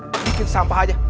bikin sampah aja